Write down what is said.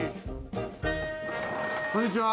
こんにちは。